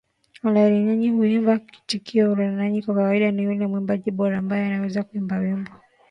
Olaranyani huimba kiitikio Olaranyani kwa kawaida ni yule mwimbaji bora ambaye anaweza kuimba wimbo